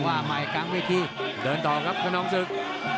ไปกลางวิธีเดินต่อครับคณองศึก